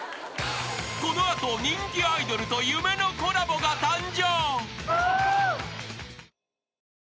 ［この後人気アイドルと夢のコラボが誕生］